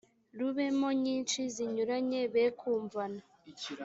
rubemo nyinshi zinyuranye be kumvana